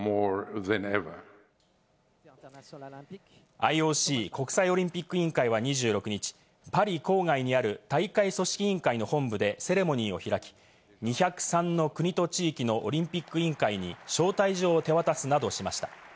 ＩＯＣ＝国際オリンピック委員会は２６日、パリ郊外にある大会組織委員会の本部でセレモニーを開き、２０３の国と地域のオリンピック委員会に招待状を手渡すなどしました。